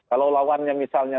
kalau lawannya misalnya